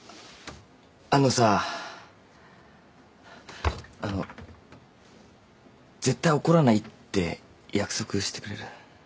あっあのさあの絶対怒らないって約束してくれる？